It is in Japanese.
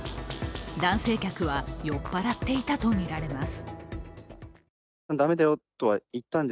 男性客は酔っ払っていたとみられます。